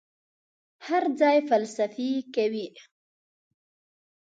هر ځای فلسفې کوي.